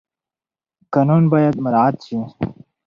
قانون باید مراعات شي.